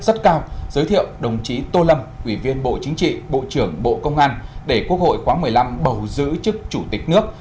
rất cao giới thiệu đồng chí tô lâm ủy viên bộ chính trị bộ trưởng bộ công an để quốc hội khóa một mươi năm bầu giữ chức chủ tịch nước